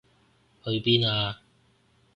去邊啊？